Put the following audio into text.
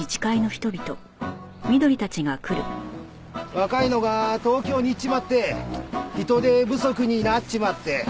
若いのが東京に行っちまって人手不足になっちまって。